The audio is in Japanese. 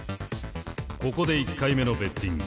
ここで１回目のベッティング。